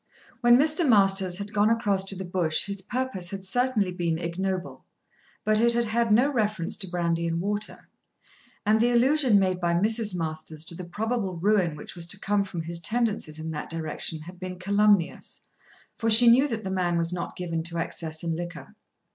When Mr. Masters had gone across to the Bush his purpose had certainly been ignoble, but it had had no reference to brandy and water. And the allusion made by Mrs. Masters to the probable ruin which was to come from his tendencies in that direction had been calumnious, for she knew that the man was not given to excess in liquor.